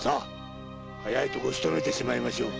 早いところしとめてしまいましょう。